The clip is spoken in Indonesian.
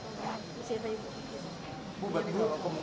sejauh ini komunikasi antara pak pak ini